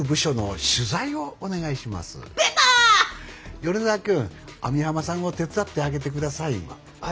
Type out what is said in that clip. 米沢くん網浜さんを手伝ってあげて下さい。